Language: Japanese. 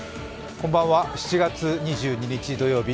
こんばんは、７月２２日